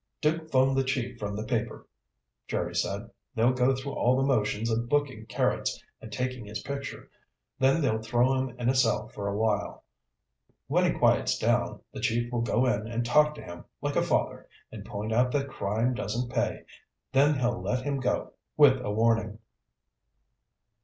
"Duke phoned the chief from the paper," Jerry said. "They'll go through all the motions of booking Carrots and taking his picture, then they'll throw him in a cell for a while. When he quiets down, the chief will go in and talk to him like a father and point out that crime doesn't pay, then he'll let him go with a warning."